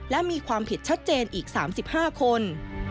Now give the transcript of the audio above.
และมีความผิดชัดเจนอีก๓๕คน